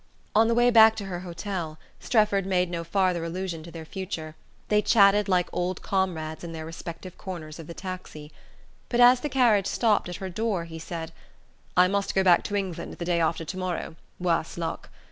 On the way back to her hotel, Strefford made no farther allusion to their future; they chatted like old comrades in their respective corners of the taxi. But as the carriage stopped at her door he said: "I must go back to England the day after to morrow, worse luck!